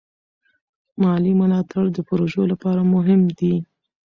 مالي ملاتړ د پروژو لپاره مهم دی.